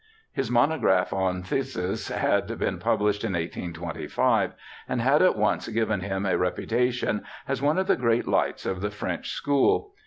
His monograph on phthisis had been published in 1825, and had at once given him a repu tation as one of the great lights of the French school.